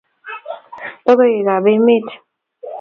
logoiwek ab emet